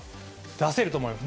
出せると思います。